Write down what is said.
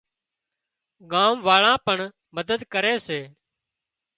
ڳام واۯان پڻ مدد ڪري سي